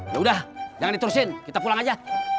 yaudah jangan diturusin kita pulang aja